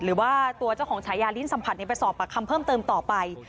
หรือว่าตัวเจ้าของฉายาลิ้นสัมผัสไปสอบปากคำเพิ่มเติมต่อไป